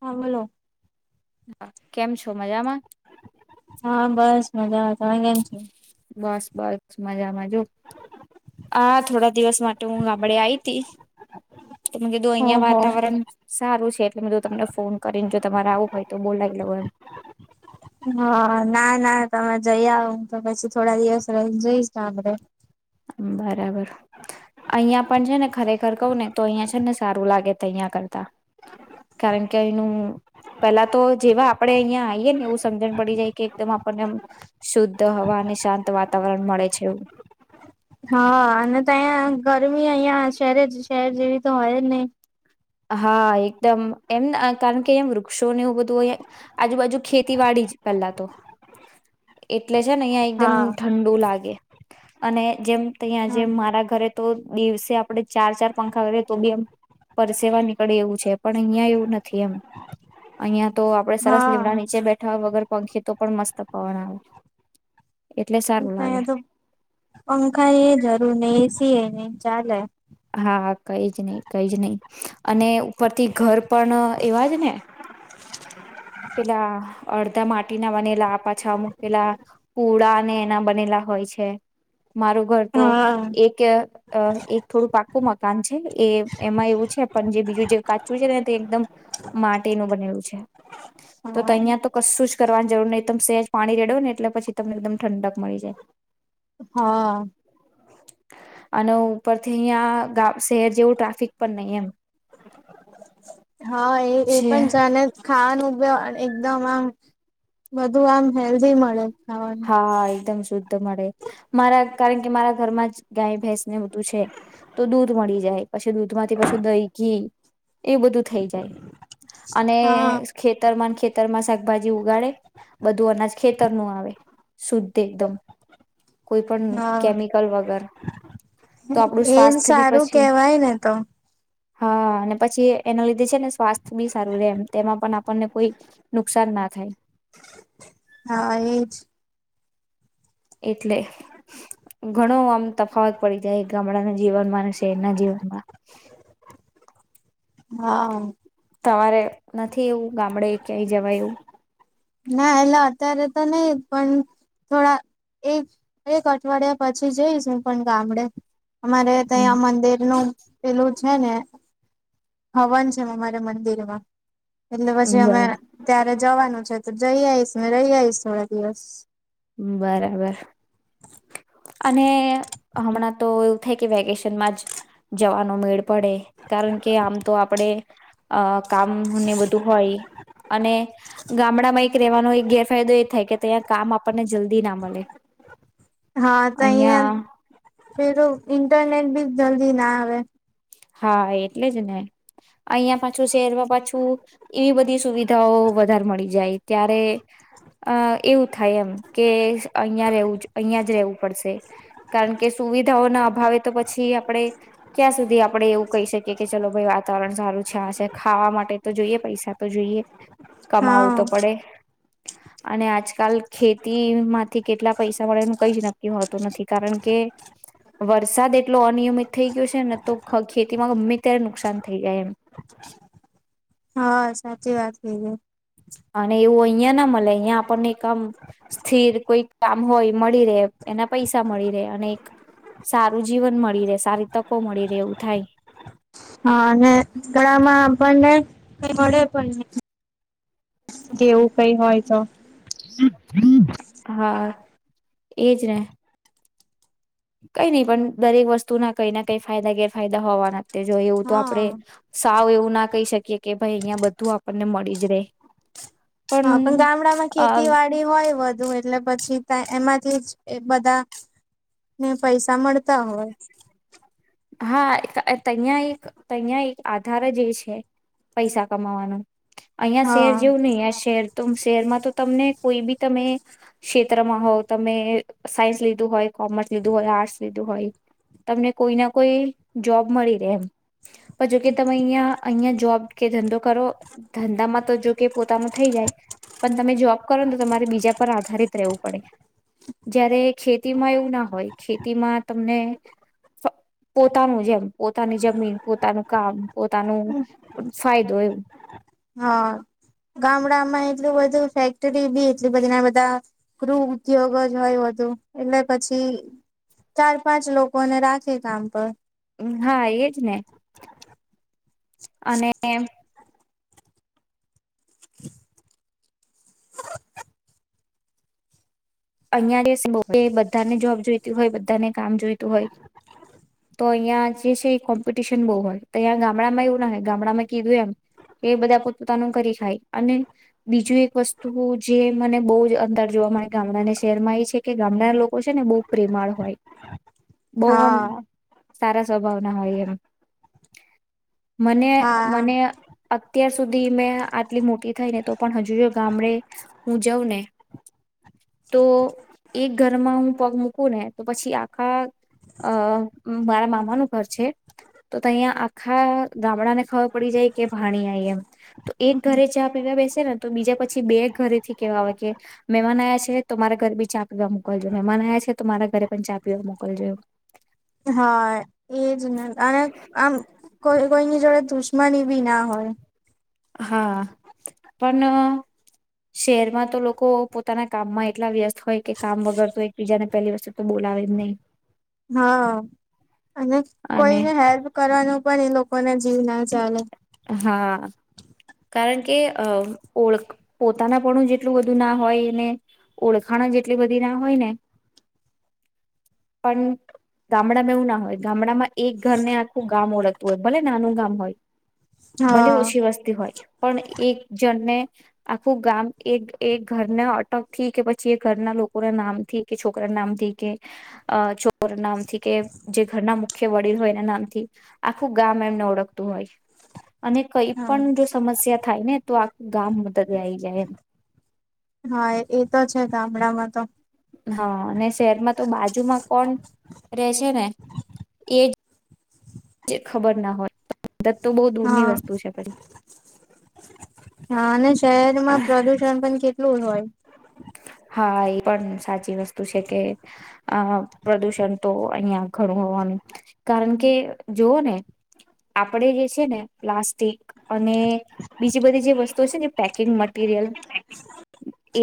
હા બોલો. એ હા, કેમ છ છો મજામાં? હા બસ મજામાં. તમે કેમ છો? બસ બસ મજા જો આ થોડા દિવસ માટે હું ગામડે આઈ તી. તો મેં કીધું અહિયા ઓહો વાતાવરણ સારું એટલે બધું તમને ફોન કરીને જો તમારે આવું હોય તો બોલાવી લવ એમ. હ ના ના તમે જઈ આવ હું તો પછી થોડા દિવસ રને જઈશ આપડે. બરાબર, અહિ પણ છે ને ખરેખર કહવ ને તો અહિયાં છે ને સારું લાગે અહંયા કરતા, કારણ કે એનું પેલા તો જેવા આપડે અહંયા આવીયએ ને એવું સમજણ પડી જાય કે એકદમ આપણને શુદ્ધ હવા અને શાંત વાતાવરણ મળે છે એવું. હા અને તો અયા ગરમી અહીં શહેર શહેર જેવી તો હોય નહીં. હા એકદમ એમ કારણ કે અહી વૃક્ષોને બધું, અ આજુબાજુ ખેતીવાડી જ પેલા તો. એટલે છે ને અહિયાં એકદમ હા ઠંડુ લાગે. અને જેમ તં હા જે મારા ઘરે તો દિવસે આપડે ચાર ચાર પંખા કરીએ તો બી એમ પરસેવા નીકળે એવું છે પણ અહિયાં એવું નથી એમ, અહં. તો આપડે સરસ લીમડા હા નીચે બેઠા વગર પંખી તો પણ મસ્ત પવન આવે છે. ત તો પંખા એ જરૂર નહ એ સી એ નહીં. ક્યાં જાય? હા કઈ જ નહી કઈ જ નહી, અને ઉપરથી ઘર પણ એવા જ ને. પેલા અડધા માટીના બનેલા પાછામ પેલા પુળ ને એના બનેલા હોય છે. મારું ઘર તો, હા એક અ એક થોડું પાક્કું મકાન છે એ એમાં એવું છે પણ જે બીજું જે કાચું છે ને તે એકદમ, માટીનું બનેલું છે. તો તો અહીંયા તો કશું જ કરવાની જરૂર નહીં એકદમ સેહેજ પાણી રેડવ ને એટલે પછી તમને એકદમ ઠંડક મળી જાય. હા. અને ઉપરથી અહિયાં ગા શહેર જેવું ટ્રાફિક પણ નહી એમ. હા, એ એ છે પણ જાને ખાવાનું ગાર એકદમ આમ બધું આમ હેલ્ધી મળે ખાવાનું હા, એકદમ દુધ મળે મારા કારણ કે મારા ઘર માં જ ગાય ભેંસ ને બધું છે તો દૂધ મળી જાય પછી દૂધમાંથી પછું દહી ઘી એ બધું થઈ જાય. અને હા ખેતરમાંન ખે ખેતર માં શાકભાજી ઉગાડે બધું અનાજ ખેતર નું આવે. શુધ એકદમ. કોઈ પણ હા, કેમિકલ વગર તો આપણું એમ સ્વાસ્થ્ય બી સારું પછી કેવાય ને તો. હા, અને પછી એના લીધે છે ને સ્વાસ્થ્ય બી સારું રહેે એમ. તેમાં પણ આપણને કોઈ નુકસાન ના થાય. હા, એજ. એટલે ઘણો આમ તફાવત પડી જાય ગામડાના જીવનમાં અને શહેરના જીવનમાં. હા. તમારે નથી એવું ગામડે ક્યાંય જવા એવું? ના એલે અત્યારે તો નઈ પણ થોડા એક એક અઠવાડિયા પછી જઈશ હું પણ ગામડે. અમારે એવું ત્યાંયા મંદિર નું પેલું છે ને હવન છે અમારે મંદિરમાં. એટલે હ પછી બર અમે ત્યાં જવાનું છે. તો જઈ આવીઈશ મે રહી આવીઈશ થોડા દિવસ. બરાબર, અને હમણાં તો થ કે વેકેશનમાં જ જવાનો મેળ પડે કારણ કે આમ તો આપણે અ કામ ને બધું હોય અને ગામડામાં એક રહેવાનો ગેરફાયદો એ થાય કે ત્યાંયા કામ આપ આપણને જલ્દી ના મળે. હા ત અં અહિયાં પેરો ઇંન્ટરનેટ બી જલ્દી ના આવે. હા એટલે જ ને અહિયાં પાછું શહેરમાં પાછું, એવી બધી સુવિધાઓ વધારે મળી જાય. ત્યારે અ એવું થાય એમ કે અહં રવું અહિયાં જ રેવું પડશે. કારણ કે સુવિધાઓના અભાવે તો પછી આપડે, ક્યાં સુધી આપ આપડે એવું કહી શકીએ કે ચલો ભાઈ વાતાવરણ સારું છે છે ખાવા માટે તો જોઈએ પૈસા તો જોઈએ. હા કમાવું તો પડે. અને આજકાલ ખેતીમાંથી કેટલા પૈસા મળેનું કઈ જ નક્કી હોતું નથી કારણ કે, વરસાદ એટલો અનિયમિત થઈ ગયો છે ને તો ખેતીમાં ગમે ત્યારે નુકસાન થઈ ગાય એમ. હા સાચી વાત કહિ અને એવું અહં ના મળે અહિયાં આપણને આમ સ્થિર કોઈ કામ હોય મળી રહે એના પૈસા મળી રહે અને એક સારું જીવન મળી રહે સારી તકો મળી રહે એવું થાય હા અને ગળામાં આપણ નહી ક વડે પણ નહી કે એવું કઈ હોય તો. હા એજને કઈ નહી પણ દરેક વસ્તુ ના કઈ ના કઈ ફાયદા ગેરફાયદા હોવાના જો એવું તો હા આપડે સાવ એવું ના કહી શકીએ કે ભાઈ અહિયાં બધું આપણને મળી જ રે. હા પણ ગામડા માં ખેતી વાડી હોય વધુ હોય એટલે પછી એમાંથી જ બધા ને પૈસા મળતા હોય. હા તહીયા એક તહીં એક આધાર જે છે પૈસા કમાવાનું. અહિયાં શેર હા જેવું નહી અ શેર તુમ શહેરમાં તો તમને કોઈ બી તમે ક્ષેત્રમાં હોવ તમે સાયન્સ લીધું હોય કોમર્સ લીધું હોય આર્ટસ લીધું હોય તમને કોઈના કોઈ જોબ મળી રહે એમ પણ જો કે તમે અહં અહિયાં જોબ કે ધંધો કરો ધંધામાં તો જોકે પોતાનું થઈ જાય પણ તમે જોબ કરોને તમારે બીજા પર આધારિત રહેવું પડે જયારે ખેતીમાં એવું ના હોય ખેતીમાં તમને ફ પોતાનું જેમ પોતાની જમીન પોતાનું કામ પોતાનું ફાયદો એવું હા ગામડામાં એટલું બધું ફેક્ટરી બી એટલી બધી ના બધા ક્રુ ઉદ્યોગ જ હોય બધું એટલે પછી ચાર પાંચ લોકોને રાખે કામ પર એવું હા એજ ને અને અયા [unintelligible] બધાને જોબ જોઈતી હોય બધાને કામ જોઈતું હોય તો અહિયાં જે છે કોમ્પિટિશન બહુ હોય તો અહીંયા ગામડામાં એવું ના હોય ગામડામાં કીધું એમ કે બધા પોતપોતાનું કરી ખાય અને બીજું એક વસ્તુ જે મને બહુ જ અંદર જોવા મળે ગામડાને શહેરમાં એ છે કે ગામડા લોકો છે ને બહુ પ્રેમાળ હોય બહઆ મ હા સારા સ્વભાવ ના હોય એમ મને મને હા અત્યાર સુધી મેં આટલી મોટી થઈ ને તો પણ હજુ જો ગામડે હું જઉં ને તો એક ઘરમાં હું પગ મૂકું ને તો પછી આખા અ મારા મામા નું ઘર છે તો તહીંયા આખા ગામડા ને ખબર પડી જાય કે ભાણી આઈ એમ. તો એક ઘરે ચા પીવા બેસે ને તો બીજા પછી બે ઘરે થી કેવા આવે કે મહેમાન આયા છે. તો મારા ઘરે બી ચા પીવા મોકલજો મહેમાન આયા છે તો મારા ઘરે પણ ચા પીવા મોકલજો એવું. હા એજ ને અને આમ કોઈ કોઈની જોડે મની બી ના હોય. હા પણ શહેરમાં તો લોકો પોતાના કામમાં એટલા વ્યસ્ત હોય કે કામ વગર તો એકબીજાને પહેલી વસ્તુ તો બોલાવે જ નહી. હા અને અને કોઈને હેલ્પ કરવાનો પણ એ લોકોને જ હા કારણ કે અ ઓળ પોતાના પણું જ એટલું બધું ના હોય ને ઓળખાણ જેટલી બધી ના હોય ને પણ ગામડામાં એવું ના હોય ગામડામાં એક ઘરને આખું ગામ ઓળખતું હોય ભલે નાનું ગામ હોય. ભલે ઓછી હા વસ્તી હોય પણ એક જણને આખું ગામ એક એક ઘરને અટકથી કે પછી એ ઘરના લોકોના નામ થી કે છોકરા નામથી કે છોકરી નામથી કે જે ઘરના મુખ્ય વડીલ હોય એના નામથી આખું ગામ એમને ઓળખતું હોય. અને કઈ પણ જો સમસ્યા થાય ને તો આખું ગામ મદદ આવી જાય હા એ તો છે ગામડામાં તો હા અને શહેરમાં તો બાજુમાં કોણ રે છે ને એજ જે ખબર ના હોય. દત્ત તો બહુ હા દૂરની વસ્તુ છે પછી. હા અને શહેરમાં પ્રદુષણ પણ કેટલું હોય. હા એ પણ સાચી વસ્તુ છે કે આ પ્રદુષણ તો અહિયાં ઘણું હોવાનું કારણ કે જોઓ ને આપણે જે છે ને પ્લાસ્ટિક અને બીજી બધી જે વસ્તુ છે ને પેકિંગ મટીરિયલ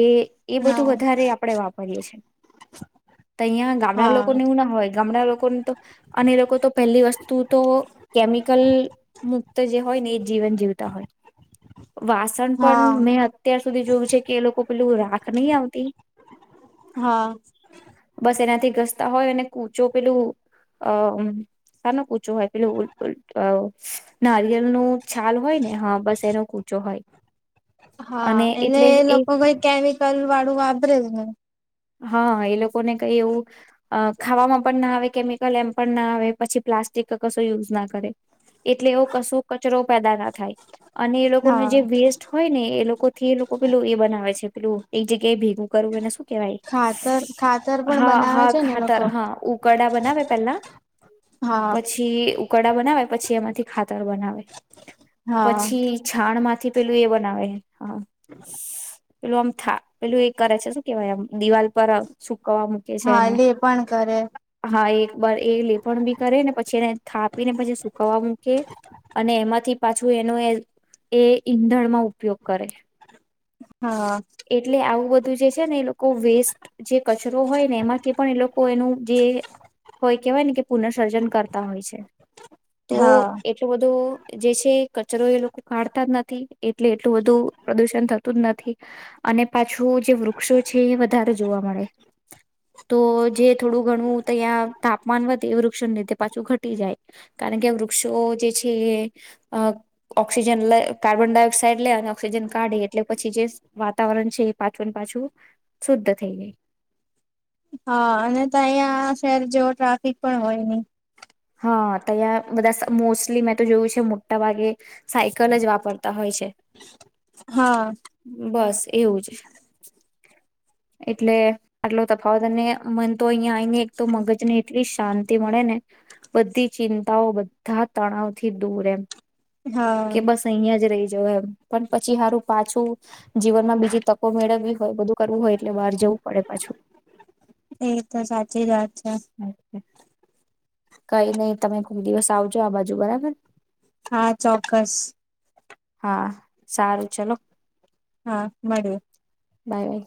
એ એ બધું વધારે આપડે વાપર પરીએ છે. તહિયા ગામડા લોકો હા ને એવું ના હોય ગામડા લો અને એ લોકો તો પહેલી વસ્તુ તો કેમિકલ મુક્ત જે હોય ને એ જીવન જીવતા હોય વાસણ પણ હા મેં અત્યાર સુધી જોય છે કે એ લોકો પેલું રાખ ખ નઈ આવતી. હા બસ એનાથી ઘસતા હોય અને કૂચો પેલું અ શાનો કૂચો હોય પેલું નારિયેલ નું છાલ હોય ને હા બસ એનો કૂચો હોય. હા અને એને એટલે એ લોકો કઈ કેમી કલ વાળું વાતરેલુ હા એ લોકોને કઈ એવું ખાવામાં પણ ના આવે કેમિકલ એમ પણ ના આવે પછી પ્લાસ્ટિક કશું યુઝ ના કરે એટલે એવો કશું કચરો પેદા ના થાય. અને એ લોકો નો હા જે વેસ્ટ હોય ને એ લોકો થી એ લોકો પેલું એ બનાવે છે પેલું એક જગ્યાએ ભેગું કરવું એને શું કેહેવાય ખાતર ખાતર પણ બનાવે છે ને એ ખાતર લોકો હા ઉકરડા બનાવે પહેલા હા પછી કડા બનાવે પછી એમાંથી ખાતર બનાવે હા પછી છાણ માંથી પેલું એ બનાવે હ પેલું આમ થા પેલું એ કરે છે શું કેવાય આમ દિવાલ પર આ સુ હા એ લે પણ કરે. હા એક બર એ લેફણ બી કરે ને પછી એને થાપીને પછી સુકવવા મૂકે અને એમાંથી પાછું એનો એ એ ઈંધણમાં ઉપયોગ કરે હા એટલે આવું બધું જે છે ને એ લોકો વેસ્ટ જે કચરો હોય ને એમાંથી પણ એ લોકો એનું જે હોય કેવાય ને કે પુનર્ સર્જન કરતા હોય છે. તો હા એટલું બધું જે છે કચરો એ લોકો કાઢતા જ નથી એટલે એટલું બધું પ્રદુષણ થતું જ નથી. અને પાછું જે વૃક્ષો છે એ વધારે જોવા મળે તો જે થોડું ઘણું તંયા તાપમાન વધે એ વૃક્ષોને લીધે પાછું ઘટી જાય કારણ કે વૃક્ષો જે છે એ ઓક્સિજન લ કાર્બન ડાયોક્સાઇડ લે અને ઓક્સિજન કાઢે એટલે પછી જે વાતાવરણ છે એ પાછું પાછું, શુદ્ધ થઈ જાય. હા અને ત અહીં શેર જેવો ટ્રાફિક પણ હોય નહી. હા તહીં બધા મોસ્ટલી મેં તો જોયું છે મોટા ભાગે, સાયકલ જ વાપરતા હોય છે. હા બસ. એવું જ, એટલે આટલો તફાવત ને મન તો અહીયા આવીઈને એક તો મગજ ને એટલી શાંતિ મળે ને. બધી ચિંતાઓ બધા તણાવ થી દૂર એમ. કે હા બસ અહીયાં જ રહી જવાય એમ, પણ પછી સારું પાછું જીવનમાં બીજી તકો મેળવવી હોય બધું કરવું હોય એટલે બહાર જવું પડે પાછું. એ તો સાચી વાત છે. કઈ નહી તમે કોક દિવસ આવજો આ બાજુ બરાબર. હા ચોક્કસ. હા સારું ચલો. હા મળ્યું બાય બાય.